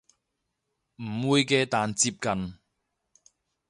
唔會嘅但接近